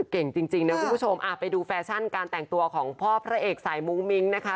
เก่งจริงนะคุณผู้ชมไปดูแฟชั่นการแต่งตัวของพ่อพระเอกสายมุ้งมิ้งนะคะ